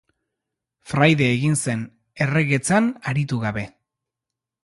Fraide egin zen, erregetzan aritu gabe.